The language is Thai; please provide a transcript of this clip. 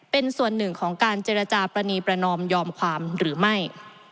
เป็นส่วนหนึ่งของการเจรจาปรณีประนอมยอมความหรือไม่